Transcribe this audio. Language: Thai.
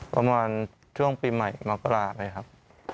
ประมาณช่วงปีใหม่มกราไปครับ